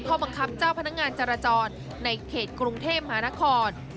ข้อบังคับเจ้าพนักงานจราจรในเขตกรุงเทพมหานคร